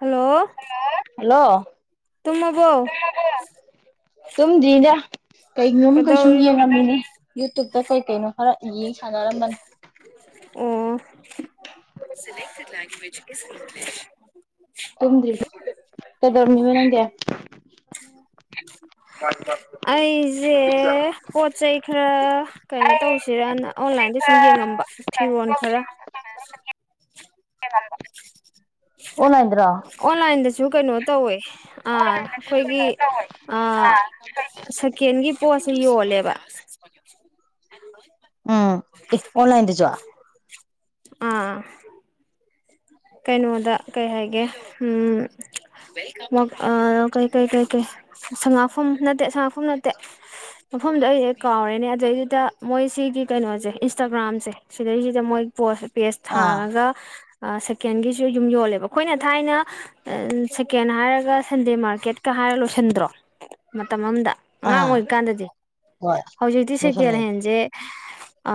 hello hello ꯇꯨꯝꯃꯕꯣ ꯇꯥꯔꯕꫭ ꯇꯨꯝꯗ꯭ꯔꯤꯗ ꯀꯩꯒꯤꯅꯣꯝ ꯀꯁꯨꯝ ꯀꯩꯗꯧꯔꯤꯅꯣ ꯌꯦꯡꯉꯝꯃꯤꯅꯦ ꯌꯨꯇꯨꯕ꯭ꯌꯨꯕꯇ ꯀꯩ ꯀꯩꯅꯣ ꯈꯔ ꯌꯦꯡ ꯁꯥꯟꯅꯔꯝꯕꯅꯤ ꯑꫭ ꯁꯦꯂꯦꯛꯇꯦꯗ ꯂꯦꯡꯒꯨꯋꯦ ꯇꯨꯝꯗ꯭ꯔꯤꯕꫭ ꯀꯩꯗꯧꯔꯝꯃꯤꯅ ꯅꯪꯗꯤ ꯑꯩꯖꯦ ꯄꯣꯠ ꯆꯩꯩ ꯈꯔ ꯀꯩꯅꯣ ꯇꯧꯁꯤꯔꯥꯅ ꯑꯣꯟꯂꯥꯏꯟꯗ ꯁꯨꯝ ꯌꯦꯡꯉꯝꯕ ꯐꯤꯔꯣꯟ ꯈꯔ [unintelligible] ꯑꫭꯟꯂꯥꯏꯟ ꯑꯣꯟꯂꯥꯏꯟꯗꯁꯨꯨ ꯀꯩꯅꫭ ꯇꯧꯋꯦ ꯑꯥ ꯑꯩꯈꯣꯏꯒꯤ ꯑꯥ ꯁꯦꯀꯦꯟꯒꯤ ꯄꯣꯠꯁꯦ ꯌꯣꯜꯂꯦꯕ ꯎꯝ ꯑꯦ ꯑꯣꯟꯂꯥꯏꯟꯗꯖꫭ ꯑꯥ ꯀꯩꯅꯣꯗ ꯀꯩ ꯍꯥꯏꯒꯦ ꯎꯝ ꯋ ꯑ ꯀꯩ ꯀꯩ ꯀꯩꯀꯩ ꯁꯉꯥꯛꯐꯝ ꯅꯠꯇꯦ ꯁꯉꯥꯛꯐꯝ ꯅꯠꯇꯦ ꯃꯐꯝꯗꯣ ꯑꯩ ꯑꯩ ꯀꯥꯎꯔꯦꯅꯦ ꯑꯗꯨꯗꯩꯗꯨꯗ ꯃꯣꯏ ꯁꯤꯒꯤ ꯀꯩꯅꯣꯁꯦ ꯏꯟꯁꯇꯥꯒ꯭ꯔꯥꯝꯁꯦ ꯁꯤꯗꯩꯁꯤꯗ ꯃꯣꯏ ꯄꯣꯁ ꯄꯦꯖ ꯑꯥ ꯍꯥꯡꯉꯒ ꯑ ꯁꯦ ꯁꯦꯀꯦꯟꯒꯤꯁꯨ ꯌꯨꯝ ꯌꯣꯜꯂꯦꯕ ꯑꯩꯈꯣꯏꯅ ꯊꯥꯏꯅ ꯁꯦꯀꯦꯟ ꯍꯥꯏꯔꯒ ꯁꯟꯗꯦ ꯃꯥꯔꯀꯦꯠꯀ ꯍꯥꯏꯔ ꯂꯣꯏꯁꯟꯗ꯭ꯔꯣ ꯃꯇꯝ ꯑꯝꯗ ꯑꯉꯥꯡ ꯑꯥ ꯑꯣꯏꯔꯤꯀꯥꯟꯗꯗꯤ ꯍꯣꯏ ꯍꯧꯖꯤꯛꯇꯤ ꯁꯦꯀꯦꯟ ꯂꯣꯏꯁꯜꯂꯦ ꯍꯦꯟꯁꯦ [unintelligible] ꯑ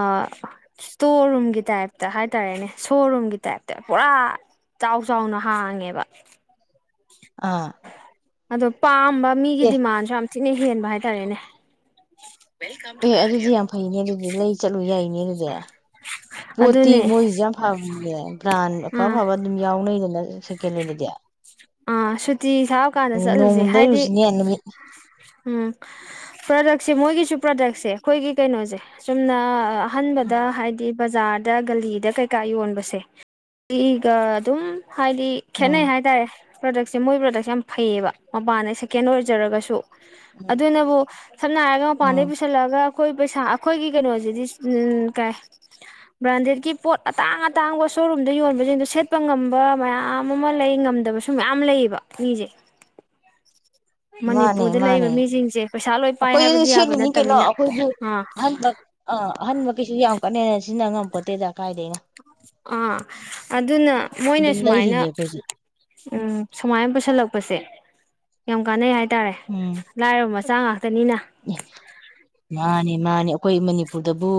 ꯁꯇꯣꯔ ꯔꯨꯝꯒꯤ ꯇꯥꯏꯞꯇ ꯍꯥꯏꯇꯥꯔꯦꯅꯦ ꯁꯣ ꯔꯨꯝꯒꯤ ꯇꯥꯏꯞꯇ ꯄꯨꯔꯥ ꯆꯥꯎ ꯆꯥꯎꯅ ꯍꯥꯡꯉꯦꯕ ꯑ ꯑꯗꯣ ꯄꯥꯝ ꯕ ꯃꯤꯒꯤ ꯗꯤꯃꯥꯟ ꯁꯨ ꯌꯥꯝ ꯁꯤꯅ ꯍꯦꯟꯕ ꯍꯥꯏꯇꯥꯔꯦꯅꯦ ꯑꯦ ꯑꯗꯨꯗꯤ ꯌꯥꯝ ꯐꯩꯅꯦ ꯗꯨꯗꯤ ꯂꯩ ꯆꯠꯂꯨ ꯌꯥꯏꯅꯦ ꯑꯗꯨꯗꯤ ꯄꯣꯠꯇꯤ ꯑꯗꯨꯅꯦ ꯃꯣꯏꯒꯤꯁꯨ ꯌꯥꯝ ꯐꯕ ꯅꯦ ꯕ꯭ꯔꯥꯟ ꯑꯐ ꯑꯥ ꯑꯐꯕ ꯑꯗꯨꯝ ꯌꯥꯎꯅꯩꯗꯅ ꯁꯦꯀꯦꯂꯦꯟ ꯗꯗꯤ ꯑ ꯁꯤꯠ ꯅꯣꯡꯃ ꯗꯩꯔꯨꯁꯤꯅꯦ ꯅꯨꯃꯤꯠ ꯎꯝ ꯄ꯭ꯔꯗꯛꯁꯦ ꯃꯣꯏꯒꯤꯁꯨ ꯄ꯭ꯔꯗꯛꯁꯦ ꯑꯈꯣꯏꯒꯤ ꯀꯩꯅꯣꯁꯦ ꯆꯨꯝꯅ ꯑ ꯑꯍꯟꯕꯗ ꯎꯝ ꯍꯥꯏꯗꯤ ꯕꯖꯥꯔꯗ ꯒꯂꯤꯗ ꯀꯩꯀꯥ ꯌꯣꯟꯕꯁꯦ ꯁꯤꯒ ꯑꯗꯨꯝ ꯍꯥꯏꯗꯤ ꯎꯝ ꯈꯦꯠꯅꯩ ꯍꯥꯏꯇꯥꯔꯦ ꯄ꯭ꯔꯗꯛꯁꯦ ꯃꯣꯏ ꯄ꯭ꯔꯗꯛꯁꯦ ꯌꯥꯝ ꯐꯩꯌꯦꯕ ꯃꯄꯥꯟꯗꯩ ꯁꯦꯀꯦꯟ ꯑꫭꯏꯔꯁꯨ ꯖꯔꯒꯁꯨ ꯎꯝ ꯑꯗꯨꯅꯕꯨ ꯁꯝꯅ ꯍꯥꯏꯔꯒ ꯎꯝ ꯃꯄꯥꯟꯗꯩ ꯄꯨꯁꯜꯂꯛꯑꯒ ꯑꯩꯈꯣꯏ ꯄꯩꯁꯥ ꯑꯩꯈꯣꯏꯒꯤ ꯀꯩꯅꯣꯁꯤꯗꯤ ꯀꯩ ꯑꯩꯈꯣꯏ ꯄꯩꯁꯥ ꯑꯩꯈꯣꯏꯒꯤ ꯀꯩꯅꯣꯖꯤꯗꯤ ꯕ꯭ꯔꯥꯟꯗꯦꯠꯀꯤ ꯄꯣꯠ ꯑꯇꯥꯡ ꯑꯇꯥꯡꯕ ꯁꯣꯔꯨꯝꯗ ꯌꯣꯟꯕꯁꯤꯡꯗꯣ ꯁꯦꯠꯄ ꯉꯝꯕ ꯃꯌꯥꯝ ꯑꯃ ꯂꯩ ꯉꯝꯗꯕꯁꯨ ꯃꯌꯥꯝ ꯂꯩꯌꯦꯕ ꯃꯤꯁꯦ ꯃꯥꯅꯦ ꯃꯅꯤꯄꯨꯔꯗ ꯂꯩꯕ ꯃꯥꯅꯦ ꯃꯤꯁꯤꯡꯁꯦ ꯄꯩꯁꯥ ꯂꯣꯏ ꯄꯥꯏ ꯑꯩꯈꯣꯏꯗꯁꯨ ꯍꯥꯏꯕꯗꯤ ꯌꯥꯕ ꯁꯦꯠꯂꯤꯅꯤ ꯀꯩꯅꯣ ꯅꯠꯇꯕꯅꯤꯅ ꯑꯩꯈꯣꯏꯁꯨ ꯑꯥ ꯑꯍꯟꯕ ꯑꯥ ꯑꯍꯟꯕ ꯀꯩꯁꯨ ꯌꯥꯝ ꯀꯟꯅ ꯍꯦꯟꯅꯥ ꯅ ꯁꯤꯖꯤꯟꯅꯉꯝ ꯄꯠꯇꯦꯗ ꯀꯥꯏꯗꯦꯅ ꯑꯥ ꯑꯗꯨꯅ ꯃꯣꯏꯅ ꯑꯗꯨꯝ ꯁꯨꯃꯥꯏꯅ ꯂꯩꯔꯤꯅꯦ ꯑꯩꯈꯣꯏꯁꯨ ꯎꯝ ꯁꯨꯃꯥꯏꯅ ꯄꯨꯁꯜꯂꯛꯄꯁꯦ ꯌꯥꯝ ꯀꯥꯟꯅ ꯍꯥꯏ ꯍꯥꯏꯇꯥꯔꯦ ꯂꯥꯏꯔꯕ ꯃꯆꯥ ꯉ ꯃꯥꯅꯦ ꯃꯥꯅꯤ ꯑꯩꯈꯣꯏ ꯃꯅꯤꯄꯨꯔ ꯕꯨ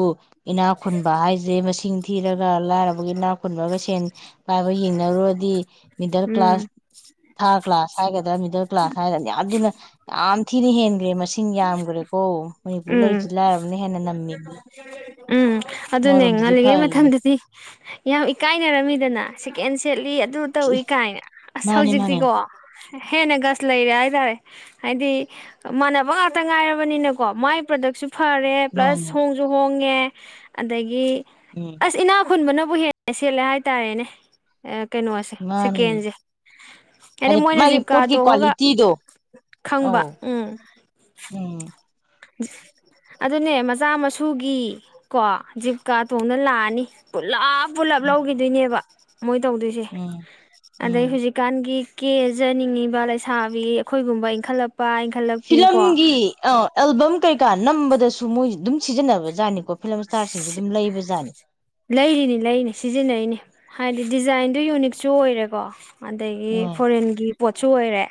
ꯏꯅꯥꯛ ꯈꯨꯟꯕ ꯍꯥꯏꯁꯦ ꯃꯁꯤꯡꯗꯤ ꯊꯤꯔꯒ ꯂꯥꯏꯔꯕꯒꯤ ꯅꯥ ꯈꯨꯟꯕꯒ ꯁꯦꯟ ꯄꯥꯏꯕ ꯌꯦꯡꯅꯔꯨꯔꯗꯤ ꯃꯤꯗꯜ ꯀ꯭ꯂꯥꯁ ꯎꯝ ꯊꯥꯔꯗ ꯀ꯭ꯂꯥꯁ ꯍꯥꯏꯒꯗꯔꯥ ꯃꯤꯗꯜ ꯀ꯭ꯂꯥꯁ ꯍꯥꯏꯔꯅꯤ ꯑꯗꯨꯅ ꯌꯥꯝ ꯊꯤꯅ ꯍꯦꯟꯒ꯭ꯔꯦ ꯃꯁꯤ ꯎꯝ ꯂꯥꯏꯔꯕꯅ ꯍꯦꯟꯅ ꯅꯝꯃꯤꯅꯤ ꯎꯝ ꯑꯗꯨꯅꯦ ꯑꯃꯔꯣꯝꯗꯗꯤ ꯉꯜꯂꯤꯉꯩ ꯐꯔꯤꯅꯤ ꯃꯇꯝꯗꯗꯤ ꯌꯥꯝ ꯏꯀꯥꯏꯅꯔꯝꯃꯤꯗꯅ ꯀꯦꯟꯁꯦꯜ ꯑꯗꯨ ꯇꯧꯏ ꯀꯥꯏꯅ ꯑꯁ ꯃꯥꯅꯦ ꯃꯥꯅꯦ ꯍꯧꯖꯤꯛꯇꯤꯀꯣ ꯍꯦꯟꯅ ꯒꯁ ꯂꯩꯔꯦ ꯍꯥꯏꯇꯥꯔꯦ ꯍꯥꯏꯗꯤ ꯃꯥꯟꯅꯕ ꯈꯛꯇ ꯉꯥꯏꯔꯕꯅꯤꯅꯀꯣ ꯃꯒꯤ ꯄ꯭ꯔꯗꯛꯁꯨ ꯐꯔꯦ ꯃꯥꯅꯦ ꯄ꯭ꯂꯁ ꯍꯣꯡꯁꯨ ꯍꯣꯡꯉꯦ ꯑꯗꯒꯤ ꯎꯝ ꯑꯁ ꯏꯅꯥ ꯈꯨꯟꯕꯅꯕꯨ ꯍꯦꯟꯅ ꯁꯦꯠꯂꯦ ꯍꯥꯏꯇꯥꯔꯦꯅꯦ ꯀꯩꯅꯣꯁꯦ ꯃꯥꯅꯦ ꯁꯦꯀꯦꯟꯁꯦ ꯍꯥꯏꯗꯤ ꯑꯗꯩ ꯃꯣꯏꯅ ꯃꯥꯒꯤ ꯖꯤꯞꯀꯥ ꯄꯣꯠꯀꯤ ꯇꯣꯡꯉꯒ ꯀ꯭ꯋꯥꯂꯤꯇꯤꯗꯣ ꯈꯪꯕ ꯑꯧ ꯎꯝ ꯎꯝ ꯑꯗꯨꯅꯦ ꯃꯆꯥ ꯃꯁꯨꯒꯤ ꯀꯣ ꯖꯤꯞꯀꯥ ꯇꯣꯡꯅ ꯂꯥꯛꯑꯅꯤ ꯄꯨꯜꯂꯞ ꯄꯨꯂꯞ ꯎꯝ ꯂꯧꯈꯤꯗꯣꯏꯅꯦꯕ ꯃꯣꯏ ꯇꯧꯗꯣꯏꯁꯦ ꯎꯝ ꯑꯗꯩ ꯎꯝ ꯍꯧꯖꯤꯛꯀꯥꯟꯒꯤ ꯀꯦꯖꯅꯤꯡꯉꯤꯕ ꯂꯩꯁꯥꯕꯤ ꯑꯩꯈꯣꯏꯒꯨꯝꯕ ꯏꯟꯈꯠꯂꯛ ꯐꯤꯂꯝꯝꯒꯤ ꯑ ꯑꯦꯜꯕꯝ ꯀꯩꯀꯥ ꯅꯝꯕꯗꯁꯨ ꯃꯣꯏ ꯁꯤꯖꯤꯟꯅꯕ ꯂꯩꯕꯥ ꯖꯠꯅꯤꯀꯣ ꯐꯤꯂꯝ ꯏꯁꯇꯥꯔ ꯑꯗꯨ ꯂꯩꯕꯠ ꯂꯩꯔꯤꯅꯤ ꯂꯩꯔꯤꯅꯤ ꯁꯤꯖꯤꯟꯅꯩꯅꯤ ꯍꯥꯏꯗꯤ ꯗꯤꯖꯥꯏꯟꯗꯣ ꯌꯨꯅꯤꯛꯁꯨ ꯑꯣꯏꯔꯦꯀꯣ ꯑꯗꯒꯤ ꯎꯝ ꯐꯣꯔꯦꯟꯒꯤ ꯄꯣꯠꯁꯨ ꯑꯣꯏꯔꯦ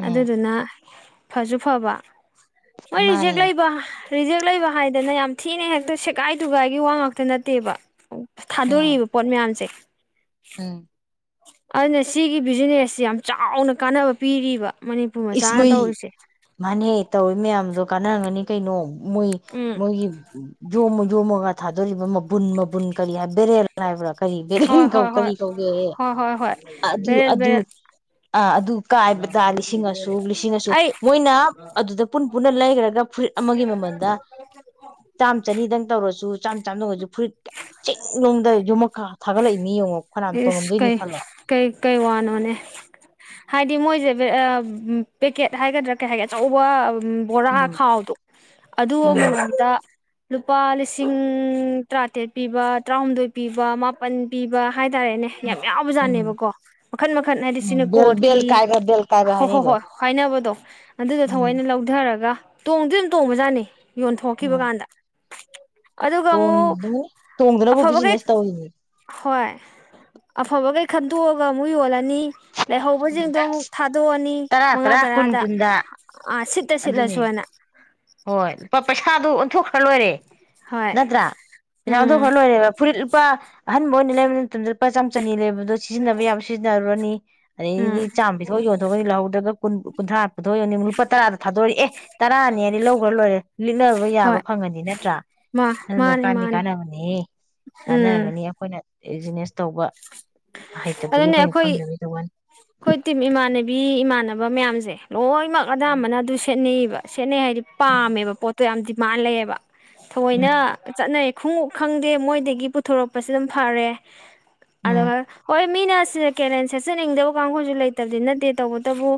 ꯎꯝ ꯑꯗꯨꯗꯨꯅ ꯐꯁꯨ ꯐꯕ ꯃꯣꯏ ꯖꯦꯛ ꯃꯥꯅꯦ ꯂꯩꯕ ꯔꯤꯖꯦꯛ ꯂꯩꯕ ꯍꯥꯏꯗꯅ ꯌꯥꯝ ꯊꯤꯅ ꯍꯦꯛꯇ ꯁꯦꯒꯥꯏ ꯇꯨꯒꯥꯏꯒꯤ ꯋꯥ ꯉꯥꯛꯇ ꯅꯠꯇꯦꯕ ꯎꯝ ꯊꯥꯗꯣꯔꯛꯏꯕ ꯄꯣꯠ ꯃꯌꯥꯝꯁꯦ ꯎꯝ ꯑꯗꯨꯅ ꯁꯤꯒꯤ ꯕꯤꯖꯤꯅꯦꯁꯁꯤ ꯌꯥꯝ ꯆꯥꯎꯅ ꯀꯥꯟꯅꯕ ꯄꯤꯔꯤꯕ ꯃꯅꯤꯄꯨꯔ ꯃꯆꯥꯅ ꯇꯧꯔꯤꯁꯦ ꯇꯧꯋꯤ ꯃꯌꯥꯝꯗꯣ ꯀꯥꯟꯅꯍꯝꯉꯅꯤ ꯀꯩꯅꯣ ꯃꯣꯏ ꯎꯝ ꯃꯣꯏꯒꯤꯣ ꯌꯝꯃꯥ ꯌꯣꯝꯃꯒ ꯍꯏꯊꯥꯗꯣꯔꯤꯕ ꯕꯨꯟ ꯃꯕꯨꯟ ꯀꯔꯤ ꯍꯥꯏ ꯕꯦꯔꯦꯜ ꯍꯥꯏꯕ꯭ꯔꯥ ꯀꯔꯤ ꯍꯣꯏ ꯕꯦꯔꯦꯟ ꯀꯧ ꯍꯣꯏ ꯍꯣꯏ ꯀꯔꯤ ꯀꯧꯒꯦ ꯍꯣꯏ ꯍꯣꯏ ꯍꯣꯏ ꯑꯗꯨ ꯕꯦꯔꯦꯜ ꯑꯗꯨ ꯕꯦꯔꯦꯜ ꯑꯗꯨ ꯀꯥꯏꯕꯗ ꯂꯤꯁꯤꯡ ꯁꯣꯛ ꯂꯤꯁꯤꯡ ꯑꯩ ꯃꯣꯏꯅ ꯑꯗꯨꯗ ꯄꯨꯟ ꯄꯨꯟꯅ ꯂꯩꯈ꯭ꯔꯒ ꯐꯨꯔꯤꯠ ꯑꯃꯒꯤ ꯃꯃꯜꯗ ꯆꯥꯝ ꯆꯅꯤꯗꯪ ꯇꯧꯔꯁꯨ ꯆꯥꯟꯂ ꯍꯧꯛ ꯍꯤ ꯐꯨꯔꯤꯠ ꯆꯤꯡꯅꯨꯡꯗ ꯌꯨꯝꯃꯛ ꯊꯥꯒꯠꯂꯛꯏ ꯃꯤ ꯌꯦꯡꯉꯣ ꯀꯅꯥ ꯏꯁ ꯇꯣꯡꯃꯝꯗꯣꯏꯅꯤ ꯀꯩ ꯈꯜꯂꯣ [inaudible] [inaudible] ꯀꯩ ꯗꯤ ꯃꯣꯏꯁꯦ ꯄꯦꯀꯦꯠ ꯍꯥꯏꯒꯗ꯭ꯔꯥ ꯀꯩ ꯍꯥꯏꯒꯦ ꯑꯆꯧꯕ ꯕꯣꯔꯥ ꯎꯝ ꯈꯥꯎꯗꯣ ꯑꯗꯨ ꯎꯝ ꯑꯃꯝꯗ ꯂꯨꯄꯥ ꯂꯤꯁꯤꯡ ꯇꯔꯥꯇꯔꯦꯠ ꯄꯤꯕ ꯇꯔꯥꯍꯨꯝꯗꯣꯏ ꯄꯤꯕ ꯃꯥꯄꯟ ꯄꯤꯕ ꯍꯥꯏꯇꯥꯔꯦꯅꯦ ꯌꯥꯝ ꯌꯥꯎꯕ ꯎꯝ ꯖꯥꯠꯅꯦꯕꯀꯣ ꯃꯈꯟ ꯃꯈꯟ ꯍꯥꯏꯗꯤ ꯎꯝ ꯁꯤꯅ ꯕꯦꯜ ꯀꯣꯠꯀꯤ ꯕꯦꯜ ꯀꯥꯏꯕ ꯕꯦꯜ ꯀꯥꯏꯕ ꯍꯣꯏ ꯍꯣꯏ ꯍꯥꯏꯅꯩꯗꯣ ꯍꯣꯏ ꯍꯥꯏꯅꯕꯗꯣ ꯑꯗꯨꯗꯣ ꯎꯝ ꯊꯑꯣꯏꯅ ꯂꯧꯊꯔꯒ ꯇꯣꯡꯗ ꯑꯗꯨꯝ ꯇꯣꯡꯕꯖꯥꯠꯅꯤ ꯌꯣꯟꯊꯣꯛꯈꯤꯕ ꯎꯝ ꯀꯥꯟꯗ ꯑꯗꯨꯒ ꯑꯃꯨ ꯑꯗꯨꯝ ꯇꯣꯡꯗꯅꯕꯕꯨ ꯕꯤꯖꯤꯅꯦꯁ ꯇꯧꯋꯅꯦ ꯍꯣꯏ ꯑꯐꯕꯈꯩ ꯈꯟꯗꯣꯛꯑꯒ ꯑꯃꯨꯛ ꯌꯣꯜꯂꯅꯤ ꯂꯩꯍꯧꯕꯁꯤꯡꯗꯣ ꯑꯃꯨꯛ ꯊꯥꯗꯣꯛꯑꯅꯤ ꯇꯔꯥ ꯃꯉꯥ ꯇꯔꯥ ꯀꯨꯟ ꯇꯔꯥꯗ ꯀꯨꯟꯗ ꯁꯤꯠ ꯇ ꯑꯗꯨꯅꯦ ꯁꯤꯠꯂꯁꯨ ꯑꯅ ꯍꯣꯏ ꯂꯨꯄꯥ ꯄꯩꯁꯥꯗꯨ ꯑꯣꯟꯊꯣꯛꯈ꯭ꯔ ꯂꯣꯏꯔꯦ ꯍꯣꯏ ꯅꯠꯇ꯭ꯔꯥ ꯄꯩꯁꯥ ꯎꯝ ꯑꯣꯟꯊꯣꯛꯈꯔ ꯂꯣꯏꯔꯦꯕ ꯐꯨꯔꯤꯠ ꯂꯨꯄꯥ ꯑꯟ ꯃꯣꯏ ꯂꯩꯕ ꯃꯇꯝꯗ ꯂꯨꯄꯥ ꯆꯥꯝ ꯆꯅꯤ ꯂꯩꯕ ꯁꯤꯖꯤꯟꯅꯕ ꯌꯥ ꯁꯤꯖꯤꯟꯅꯔꯨꯔꯅꯤ ꯎꯝ ꯑꯗꯩꯗꯤ ꯆꯥꯝ ꯄꯤꯊꯣꯛ ꯌꯣꯟꯊꯣꯛꯑꯅꯤ ꯂꯧꯍꯧꯗꯒ ꯀꯨꯟꯊ꯭ꯔꯥꯊꯣꯛ ꯌ ꯂꯨꯄꯥ ꯇꯔꯥ ꯊꯥꯗꯣꯔꯛ ꯑꯦ ꯇꯔꯥꯅꯤ ꯂꯤꯠꯍꯈ꯭ꯔ ꯂꯣꯏꯔꯦ ꯂꯤꯠꯅꯔꯕ ꯌꯥꯕ ꯍꯣꯏ ꯐꯪꯉꯅꯤ ꯅꯠꯇ꯭ꯔꯥ ꯃꯥ ꯑꯗꯨꯅ ꯃꯥꯅꯤ ꯀꯥꯟ ꯃꯥꯅꯤ ꯀꯥꯟꯅꯕꯅꯤ ꯎꯝ ꯀꯥꯟꯅꯔꯝꯒꯅꯤ ꯑꯩꯈꯣꯏꯅ ꯕꯤꯖꯤꯅꯦꯁ ꯇꯧꯕ ꯍꯩꯇꯕꯒꯤ ꯑꯗꯨꯅꯦ ꯑꯩꯈꯣꯏꯅ ꯑꯩꯈꯣꯏ ꯈꯪꯗꯕꯒꯤ ꯇꯧꯕꯅꯤ ꯑꯩꯈꯣꯏ ꯇꯤꯝ ꯏꯃꯥꯟꯅꯕꯤ ꯏꯃꯥꯟꯅꯕ ꯃꯌꯥꯝꯁꯦ ꯂꯣꯏꯅꯃꯛ ꯑꯗꯥꯕꯅ ꯑꯗꯨ ꯁꯦꯠꯅꯩꯑꯕ ꯁꯦꯠꯅꯩ ꯍꯥꯏꯗꯤ ꯄꯥꯝꯃꯦꯕ ꯄꯣꯠꯇꯣ ꯌꯥꯝꯗꯤ ꯃꯥꯂꯦꯕ ꯊꯑꯣꯏꯅ ꯎꯝ ꯆꯠꯅꯩ ꯈꯣꯡꯎꯞ ꯈꯪꯗꯦ ꯃꯣꯏꯗꯒꯤ ꯄꯨꯊꯣꯔꯛꯄꯁꯤ ꯑꯗꯨꯝ ꯐꯔꯦ ꯎꯝ ꯑ ꯍꯣꯏ ꯃꯤꯅꯦ ꯁꯤꯗ ꯀꯦꯂꯦꯟ ꯁꯦꯠꯆꯅꯤꯡꯗꯕ ꯀꯥꯡꯈꯣꯏꯁꯨ ꯂꯩꯇꯕꯗꯤ ꯅꯠꯇꯦ ꯇꯧꯕꯇꯕꯨ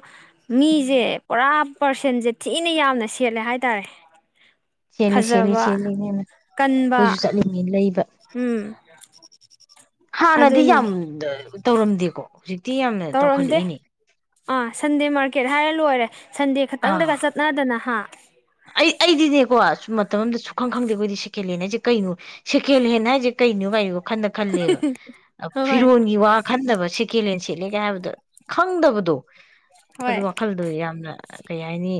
ꯃꯤꯁꯦ ꯄꯨꯔꯥ ꯄꯥꯔꯁꯦꯟꯁꯦ ꯊꯤꯅ ꯌꯥꯝꯅ ꯁꯦꯠꯂꯦ ꯍꯥꯏꯇꯥꯔꯦ ꯁꯦꯠꯂꯤ ꯁꯦꯠꯂꯤ ꯐꯖꯕ ꯁꯦꯠꯜꯂꯤ ꯃꯦꯝ ꯀꯟꯕ ꯑꯩꯈꯣꯏꯁꯨ ꯆꯠꯂꯤꯉ ꯂꯩꯕ [inaudible] ꯍꯥ ꯅꯗꯤ ꯑꯗꯨꯅꯤ ꯌꯥꯝ ꯇꯧꯔꯝꯗꯦꯀꯣ ꯍꯧꯖꯤꯛ ꯇꯧꯔꯝꯗꯦ ꯑ ꯁꯟꯗꯦ ꯃꯥꯔ ꯇꯤꯀꯦꯠ ꯍꯥꯏꯔ ꯂꯣꯏꯔꯦ ꯁꯟꯗꯦ ꯈꯛꯇꯪꯗꯒ ꯆꯠꯅꯗꯅ ꯍꯥ ꯑꯩꯗꯅꯦꯦꯀꯣ [inaudible] ꯃꯇꯝ ꯑꯗ ꯁ ꯈꯪ ꯈꯗꯦꯈꯣꯏ ꯁꯦꯀꯦꯂꯦ ꯍꯥꯏꯦ ꯀꯩꯅꯣ ꯁꯦꯀꯦꯂꯦꯟ ꯍꯥꯏꯖꯦ ꯀꯩꯩꯅꯣ ꯒꯥꯏꯌꯣ ꯈꯟꯅ ꯈꯟꯂꯦꯕ ꯍꯣꯏ ꯐꯤꯔꯣꯟꯒꯤ ꯋꯥ ꯈꯟꯗꯕ ꯀꯦꯂꯦꯟ ꯁꯦꯠꯂꯦꯒ ꯍꯥꯏꯕꯗ ꯈꯪꯗꯕꯗꯣ ꯍꯣꯏ ꯑꯗꯨ ꯋꯥꯈꯜꯗꯨ ꯌꯥꯝꯅ ꯀꯩ ꯍꯥꯏꯅꯤ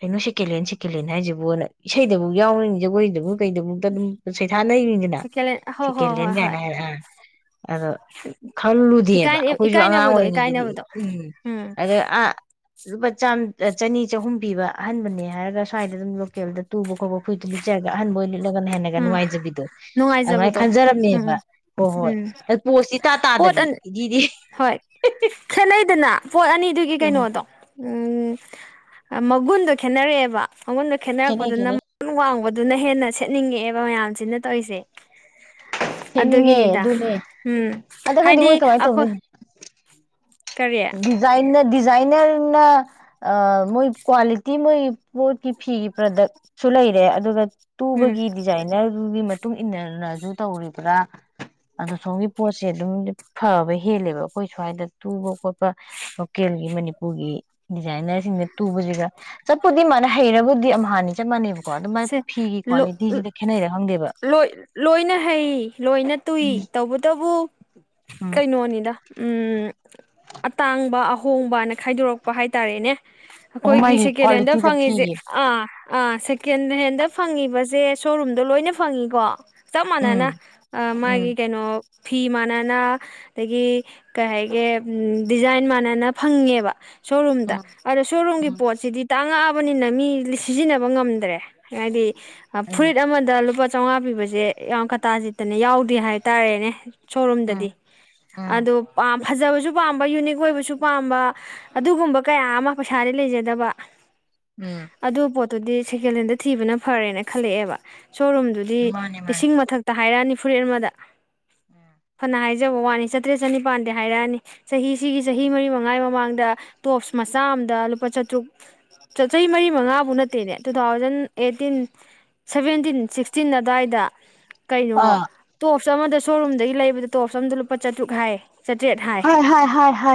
ꯀꯩꯅꯣ ꯁꯤꯀꯦꯜꯂ ꯀꯦꯂꯦꯟ ꯍꯥꯏꯁꯤꯕꯨꯅ ꯏꯁꯩꯗꯕꯨ ꯌꯥꯎꯔꯤꯅꯤ ꯖꯒꯣꯏꯗꯕꯨ ꯀꯩꯗꯧꯕꯛꯇ ꯑꯗꯨꯝ ꯁꯩꯊꯥꯅꯅꯤꯁꯤꯅ ꯁꯦꯀꯦꯟ ꯍꯣꯏ ꯍꯣꯏ ꯁꯦꯀꯦꯟ ꯍꯦꯟ ꯍꯣꯏ ꯍꯣꯏ ꯀꯥꯏꯅ ꯍꯥꯏ ꯑꯥ ꯑꯗꯣ ꯈꯜꯂꯨꯗꯦꯕ ꯏꯀꯥꯏ ꯑꯩꯈꯣꯏꯁꯨ ꯑꯉꯥꯡ ꯏꯀꯥꯏꯅꯕꯗꯣ ꯑꯣꯏꯔꯤꯉꯩꯗꯗꯤ ꯏꯀꯥꯏꯅꯕꯗꯣ ꯎꯝꯝ ꯎꯝ ꯑꯗ ꯑ ꯂꯄꯥ ꯆꯅꯤ ꯆꯍꯨꯝ ꯄꯤꯕ ꯑꯍꯟꯕꯅꯦ ꯍꯥꯏꯔꯒ ꯁꯋꯥꯏꯗ ꯑꯗꯨꯝ ꯂꯣꯀꯦꯜꯗ ꯇꯨꯕ ꯑꯣ ꯐꯨꯔꯤꯠꯗꯣ ꯂꯤꯠꯆꯔꯒ ꯑꯍꯟꯕ ꯑꯣꯏꯅ ꯂꯤꯠꯂꯒꯅ ꯍꯦꯟꯅꯒ ꯎꯝ ꯅꯨꯡꯉꯥꯏꯖꯕꯤꯗꯣ ꯑꯗꯨꯃꯥꯏꯅ ꯅꯨꯡꯉꯥꯏꯖꯕꯗꯣ ꯈꯟꯖꯔꯝꯃꯦꯕ ꯎꯝ ꯍꯣꯏ ꯍꯣꯏ ꯎꯝ ꯑꯗꯨ ꯄꯣꯁꯇꯤ ꯇꯇꯥ ꯄꯣꯠ ꯇꯥꯗꯕꯤ ꯑꯅꯤ ꯏꯗꯤꯗꯤ ꯍꯣꯏ ꯈꯦꯠꯅꯩꯗꯅ ꯄꯣꯠ ꯑꯅꯤꯗꯨꯒꯤ ꯎꯝ ꯀꯩꯅꯣꯗꯣ ꯎ ꯃꯒꯨꯟꯗꯣ ꯈꯦꯠꯅꯔꯛꯑꯦꯕ ꯃꯒꯨꯟꯗꯣ ꯈꯦꯠꯅꯩ ꯈꯦꯠꯅꯔꯛꯄꯗꯨꯅ ꯈꯦꯠꯅꯩ ꯋꯥꯡꯕꯗꯨꯅ ꯍꯦꯟꯅ ꯁꯦꯠꯅꯤꯡꯉꯛꯑꯦꯕ ꯃꯌꯥꯝꯁꯤꯅ ꯇꯧꯔꯤꯁꯦ ꯁꯦꯠꯅꯤꯡꯉꯦ ꯑꯗꯨꯒꯤꯅꯤꯗ ꯑꯗꯨꯅꯦ ꯎꯝ ꯑꯒꯗꯤ ꯃꯣꯏ ꯍꯥꯏꯗꯤ ꯀꯃꯥꯏꯅ ꯑꯩꯈꯣꯏ ꯇꯧꯗꯣꯏꯅꯤ ꯀꯔꯤ ꯗꯤꯖꯥꯏꯟ ꯗꯤꯖꯥꯏꯅꯔꯅ ꯃꯣꯏ ꯀ꯭ꯋꯥꯂꯤꯇꯤ ꯃꯣꯏ ꯐꯤ ꯐꯤꯒꯤ ꯄ꯭ꯔꯗꯛꯁꯨ ꯂꯩꯔꯦ ꯑꯗꯨꯒ ꯎꯝ ꯇꯨꯕꯒꯤ ꯗꯤꯖꯥꯏꯟꯅꯔꯗꯨꯒꯤ ꯃꯇꯨꯡ ꯏꯟꯅꯅꯁꯨ ꯇꯧꯔꯤꯕ꯭ꯔꯥ ꯑꯗꯣ ꯁꯣꯝꯒꯤ ꯄꯣꯠꯁꯦ ꯑꯗꯨꯝ ꯐꯕ ꯍꯦꯜꯂꯦꯕ ꯑꯩꯈꯣꯏ ꯁ꯭ꯋꯥꯏꯗ ꯇꯨꯕ ꯈꯣꯠꯄ ꯂꯣꯀꯦꯜꯒꯤ ꯃꯅꯤꯄꯨꯔꯒꯤ ꯗꯤꯖꯥꯏꯟꯅꯔꯁꯤꯡꯗ ꯇꯨꯕꯁꯤꯒ ꯆꯠꯄꯨꯗꯤ ꯃꯥꯥꯟꯅ ꯍꯩꯔꯕꯕꯨꯗꯤ ꯑꯃ ꯍꯥꯟꯅꯤ ꯆꯞ ꯃꯥꯟꯅꯩꯕꯀꯣ ꯑꯗꯨ ꯃꯥꯏ ꯁꯦ ꯐꯤꯒꯤ ꯀ꯭ꯋꯥꯂꯤꯇꯤꯁꯤꯗ ꯈꯦꯠꯅꯩꯔ ꯈꯪꯗꯦꯕ ꯂꯣꯏ ꯂꯣꯏꯅ ꯍꯩ ꯂꯣꯏꯅ ꯇꯨꯏ ꯎꯝ ꯇꯧꯕꯇꯕꯨ ꯎꯝ ꯀꯩꯅꯣꯅꯤꯗ ꯎꯝ ꯑꯇꯥꯡꯕ ꯑꯍꯣꯡꯕꯅ ꯈꯥꯏꯗꯣꯔꯛꯄ ꯍꯥꯏꯇꯥꯔꯦꯅꯦ ꯑꯣ ꯑꯩꯈꯣꯏꯒꯤ ꯃꯥꯒꯤ ꯁꯦꯀꯦꯟ ꯍꯦꯟꯗ ꯀ꯭ꯋꯥꯂꯤꯇꯤꯗ ꯐꯪꯉꯁꯦ ꯐꯤꯒꯤ ꯑꯥ ꯑꯥ ꯀꯀꯦꯟ ꯍꯦꯟꯗ ꯐꯪꯉꯤꯕꯁꯦ ꯁꯣꯔꯨꯝꯗꯣ ꯂꯣꯏꯅ ꯐꯪꯉꯤꯀꯣ ꯆꯞ ꯃꯥꯟꯅꯅ ꯎꯝ ꯃꯥꯒꯤ ꯎꯝ ꯀꯩꯅꯣ ꯐꯤ ꯃꯥꯟꯅꯅ ꯑꯗꯒꯤ ꯀꯩ ꯍꯥꯏꯒꯦ ꯗꯤꯖꯥꯏꯟ ꯃꯥꯟꯅꯅ ꯐꯪꯉꯦꯕ ꯁꯣꯔꯨꯝꯗ ꯎꯝ ꯑꯗ ꯁꯣꯔꯨꯝꯒꯤ ꯎꯝ ꯄꯣꯠꯁꯤꯗꯤ ꯇꯥꯡꯉꯛꯑꯕꯅꯤꯅ ꯃꯤ ꯁꯤꯖꯤꯟꯅꯕ ꯉꯝꯗ꯭ꯔꯦ ꯃꯗꯤ ꯎꯝ ꯐꯨꯔꯤꯠ ꯑꯃꯗ ꯂꯨꯄꯥ ꯆꯥꯝꯃꯉꯥ ꯄꯤꯕꯁꯦ ꯌꯥꯝ ꯀꯇꯥ ꯆꯠꯇꯅ ꯌꯥꯎꯗꯦ ꯍꯥꯏꯇꯥꯔꯦꯅꯦ ꯎꯝ ꯁꯣꯣꯔꯨꯝꯗꯗꯤ ꯎꯝ ꯑꯣ ꯐꯖꯕꯁꯨ ꯄꯥꯝꯕ ꯌꯨꯅꯤꯛ ꯑꯣꯏꯕꯁꯨ ꯄꯥꯝꯕ ꯑꯗꯨꯒꯨꯝꯕ ꯀꯌꯥ ꯑꯃ ꯄꯩꯁꯥꯗꯤ ꯂꯩꯖꯗꯕ ꯎꯝ ꯑꯗ ꯄꯣ ꯑꯗꯨꯗꯤ ꯁꯤꯀꯦꯜꯦꯟꯗꯦ ꯊꯤꯕꯅ ꯐꯔꯦꯅ ꯈꯜꯂꯛꯑꯦꯕ ꯁꯣꯔꯨꯝꯗꯨꯗꯤ ꯃꯥꯅꯦ ꯃꯥꯅꯦ ꯂꯤꯁꯤꯡ ꯃꯊꯛꯇ ꯍꯥꯏꯔꯥ ꯅꯤꯐꯨꯔꯤꯦꯠ ꯑꯃꯗ ꯍꯅ ꯍꯥꯏ ꯄꯤꯖꯕ ꯋꯥꯅꯤ ꯆꯥꯇ꯭ꯔꯦꯠ ꯆꯅꯤꯄꯥꯟꯗ ꯍꯥꯏꯔꯛꯑꯅꯤ ꯆꯍꯤꯁꯤꯒꯤ ꯆꯍꯤ ꯃꯔꯤ ꯃꯉꯥꯒꯤ ꯃꯃꯥꯡꯗ ꯇꯣꯞꯁ ꯃꯆꯥ ꯑꯝꯗ ꯂꯨꯄꯥ ꯆꯥꯇ꯭ꯔꯨꯛ ꯆꯍꯤ ꯃꯔꯤ ꯃꯉꯥꯕꯨ ꯅꯠꯇꯦꯅꯦ two thousand eighteen seventeen sixteen ꯑꯗꯨꯋꯥꯏꯗ ꯀꯩꯅꯣ ꯑꯥ ꯇꯣꯞꯁ ꯑꯃꯗ ꯁꯣꯔꯨꯝꯗꯒꯤ ꯂꯩꯕꯗꯣꯞꯁꯝꯣ ꯂꯨꯄꯥ ꯆꯥꯇ꯭ꯔꯨꯛ ꯍꯥꯏꯌꯦ ꯍꯣꯏ ꯍꯣꯏ ꯍ ꯍ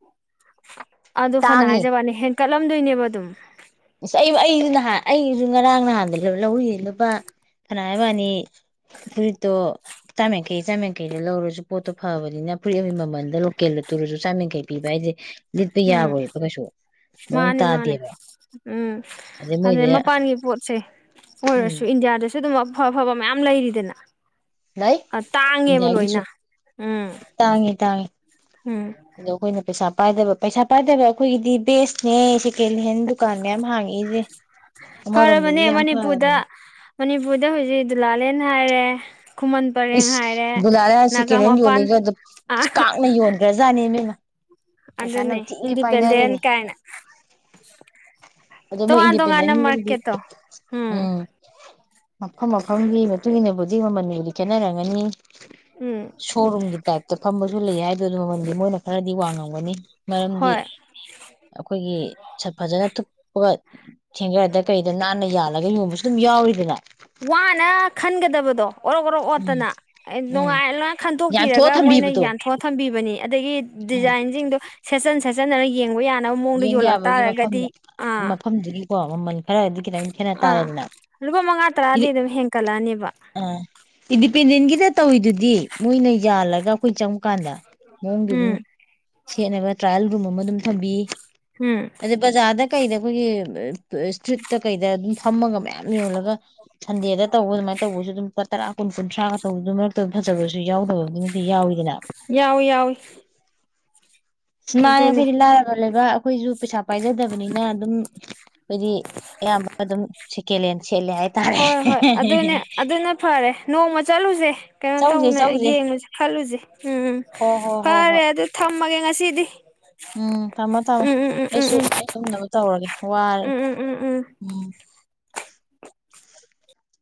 [unintelligible] ꯑꯗꯨ ꯐꯅ ꯍꯥꯏꯖꯕꯅꯦ ꯍꯦꯟ ꯀꯠꯂꯝꯗꯣꯏꯅꯦꯕ ꯑꯗꯨꯝ ꯑꯁ ꯑꯩ ꯑꯩꯁꯨ ꯅꯍꯥꯟ ꯑꯩꯁꯨ ꯉꯔꯥꯡ ꯅꯍꯥꯟꯗ ꯂꯧꯔꯤꯌꯦ ꯂꯨꯄꯥ ꯐꯅꯥ ꯍꯕꯥꯅꯤ ꯐꯨꯔꯤꯠꯇꯣ ꯆꯥꯝꯃꯡꯈꯩ ꯆꯥꯝꯃꯡꯈꯩꯗ ꯂꯧꯔꯁꯨ ꯄꯣꯠꯇꯣ ꯐꯕꯅꯤꯅ ꯐꯨꯔꯤꯠ ꯑꯃꯒꯤ ꯃꯃꯟꯗ ꯂꯣꯀꯦꯜꯗ ꯇꯨꯔꯁꯨ ꯆꯥꯝꯃꯡꯈꯩ ꯄꯤꯕ ꯍꯥꯏꯁꯦ ꯂꯤꯠꯄ ꯌꯥꯔꯣꯏꯕ ꯀꯩꯁꯨ ꯃꯑꯣꯡ ꯃꯥꯅꯦ ꯃꯥꯅꯦ ꯇꯥꯗꯦꯕ ꯎꯝ ꯑꯗꯩ ꯃꯣꯏꯗ ꯑꯗꯨꯅ ꯃꯄꯥꯟꯒꯤ ꯄꯣꯠꯁꯦ ꯎꯝ ꯑꯣꯏꯔꯁꯨ ꯏꯟꯗꯤꯌꯥꯗꯁꯨ ꯁ ꯑꯗꯨꯝ ꯑꯐ ꯑꯐꯕ ꯃꯌꯥꯝ ꯂꯩꯔꯤꯗꯅ ꯂꯩ ꯇꯥꯡꯉꯦꯕ ꯏꯗꯤꯌꯥꯒꯤꯁꯨ ꯂꯣꯏꯅ ꯎꯝ ꯇꯥꯡꯉꯤ ꯇꯥꯡꯉꯤ ꯎꯝ ꯑꯗꯣ ꯑꯩꯈꯣꯏꯅ ꯄꯩꯁꯥ ꯄꯥꯏꯗꯕ ꯄꯩꯁꯥ ꯄꯥꯏꯗꯕ ꯑꯩꯈꯣꯏꯒꯤꯗꯤ ꯦꯁꯅꯦ ꯁꯦꯀꯦꯟ ꯍꯦꯟ ꯗꯨꯀꯥꯟ ꯃꯌꯥꯝ ꯍꯥꯡꯉꯛꯏꯁꯦ ꯑꯃꯔꯣꯝꯗꯗꯤ ꯐꯔꯕꯅꯦ ꯌꯥꯝ ꯃꯅꯤꯄꯨꯔꯗ ꯐꯔꯕꯅꯦ ꯇꯔꯦ ꯏꯁ ꯕꯨꯂꯥꯂ ꯁꯦꯀꯦꯟ ꯍꯦꯟ ꯃꯄꯥꯟ ꯌꯣꯜꯂꯤꯒꯗ ꯑ ꯀꯅ ꯌꯣꯟꯈ꯭ꯔꯖꯥꯠꯅꯦ ꯃꯦꯝꯃ ꯑꯗꯨꯅꯦ ꯏꯟꯗꯤꯄꯦꯟꯗꯦꯟ ꯀꯥꯏꯅ ꯑꯗꯣ ꯃꯣꯏ ꯇꯣꯉꯥꯟ ꯇꯣꯉꯥꯟꯅ ꯏꯟꯗꯤꯄꯦꯟꯗꯦꯟꯒꯤꯗꯤ ꯃꯥꯀꯦ ꯇꯣ ꯎꯝ ꯃꯐꯝ ꯃꯐꯝꯒꯤ ꯃꯇꯨꯡ ꯏꯟꯅꯕꯨꯗꯤ ꯃꯃꯜꯕꯨꯗꯤ ꯈꯦꯠꯅꯔꯝꯒꯅꯤ ꯎꯝ ꯁꯣꯔꯨꯝꯝꯒꯤ ꯇꯥꯏꯞꯇ ꯐꯝꯕ ꯑꯗꯨ ꯂꯩ ꯍꯥꯏꯗ ꯑꯗꯨ ꯃꯃꯜꯗꯤ ꯃꯣꯏꯅ ꯈꯔꯗꯤ ꯋꯥꯡ ꯉꯧꯋꯦ ꯑꯃꯅꯤꯅꯤ ꯃꯔꯝꯗꯤ ꯍꯣꯏ ꯑꯩꯈꯣꯏꯒꯤ ꯐꯖꯅ ꯑꯗꯨꯒ ꯊꯦꯡꯒꯔꯗ ꯀꯩꯗ ꯅꯥꯟꯅ ꯌꯥꯜꯂꯒ ꯌꯣꯟꯕꯁꯨ ꯑꯗꯨꯝ ꯌꯥꯎꯔꯤꯗꯅ ꯋꯥꯅ ꯈꯟꯒꯗꯕꯗꯣ ꯑꯣꯔꯣꯛ ꯑꯣꯔꯣꯛ ꯎꯝ ꯑꯣꯠꯇꯅ ꯎꯝ ꯅꯨꯡꯉꯥꯏꯔ ꯂꯣꯏ ꯌꯥꯟꯊꯣꯛꯑ ꯈꯟꯗꯣꯛꯄꯤꯔꯒ ꯃꯣꯏꯅ ꯊꯝꯕꯤꯕꯗꯣ ꯌꯥꯟꯊꯣꯛꯑ ꯊꯝꯕꯤꯕꯅꯤ ꯑꯗꯒꯤ ꯎꯝ ꯗꯤꯖꯥꯏꯟꯁꯤꯡꯗꯣ ꯁꯦꯠꯆꯟ ꯆꯠꯆꯅꯅ ꯌꯦꯡꯕ ꯌꯥꯅꯤ ꯌꯦꯡ ꯌꯥꯕꯒꯤ ꯃꯐꯝ ꯃꯐꯝꯗꯨꯒꯤꯀꯣ ꯃꯃꯜ ꯈꯔꯗꯤ ꯈꯤꯇꯝ ꯈꯦꯠꯅ ꯇꯥꯔꯦꯗꯅ ꯗ ꯑꯗꯨꯝ ꯍꯦꯡꯡ ꯀꯂꯅꯤꯕ ꯄꯅꯤꯤꯟꯒꯤꯗꯤ ꯇꯧ ꯑꯣꯏꯗꯨꯗꯤ ꯗꯤ ꯃꯣꯏꯅ ꯌꯥꯜꯂꯒ ꯑꯩꯈꯣꯏ ꯆꯪꯕꯀꯥꯟꯗ ꯃꯑꯣꯡꯗꯨ ꯑꯗꯨꯝ ꯎꯝ ꯁꯦꯠꯅꯕ ꯇ꯭ꯔꯥꯏꯌꯦꯜ ꯔꯨꯝ ꯑꯃ ꯑꯗꯨꯝ ꯊꯝꯕꯤ ꯎꯝ ꯑꯗ ꯕꯖꯥꯗ ꯀꯩꯗ ꯀꯣꯏ ꯏꯁꯇꯇ ꯀꯩꯗ ꯐꯝꯃꯒ ꯃꯌꯥꯝ ꯌꯣꯜꯂꯒ ꯁꯟꯗꯦꯗ ꯇꯧꯕ ꯑꯗꯨꯃꯥꯏꯅ ꯇꯧꯕꯁꯨ ꯑꯗꯨꯝ ꯇꯔꯥ ꯀꯨꯟ ꯀꯨꯟꯊ꯭ꯔꯥꯒ ꯇꯧꯕꯗꯨ ꯃꯔꯛꯇ ꯐꯖꯕꯁꯨ ꯌꯥꯎꯗꯕꯗꯨꯃꯗꯤ ꯌꯥꯎꯋꯤꯗꯅ ꯌꯥꯎꯏ ꯌꯥꯎꯏ ꯃꯤꯅꯥꯏ ꯑꯗꯨꯅꯦ ꯑꯩꯈꯣꯏꯗꯤ ꯍꯥꯏꯔꯒꯥ ꯂꯩꯕꯥꯛ ꯑꯩꯈꯣꯏꯁꯨ ꯄꯩꯁꯥ ꯄꯥꯏꯖꯗꯕꯅꯤꯅ ꯑꯗꯨꯝ ꯍꯥꯏꯣꯏꯗꯤ ꯑꯌꯥꯝꯕ ꯑꯗꯨꯝ ꯀꯂꯦꯟ ꯍꯣꯏ ꯍꯣꯏ ꯑꯗꯨꯅꯦ ꯑꯗꯨꯅ ꯐꯔꯦ ꯅꯣꯡꯃ ꯆꯠꯂꯨꯁꯦ ꯀꯩꯅꯣ ꯇꯧ ꯆꯧꯁꯦ ꯆꯧꯁꯦ ꯌꯦꯡꯉꯨꯁꯦ ꯈꯜꯂꯨꯁꯦ ꯎꯝ ꯍꯣ ꯍꯣ ꯍꯣ ꯐꯔꯦ ꯍꯣꯏ ꯑꯗꯨ ꯊꯝꯃꯒꯦ ꯉꯁꯤꯗꯤ ꯎꯝ ꯊꯝꯃꯣ ꯊꯝꯃꯣ ꯎꯝ ꯎꯝ ꯎꯝ ꯎꯝ ꯑꯩꯁꯨ ꯇꯨꯝꯅꯕ ꯇꯧꯔꯒꯦ ꯋꯥꯔꯦ ꯎꯝ ꯎꯝ ꯎꯝ ꯎꯝ ꯎꯝ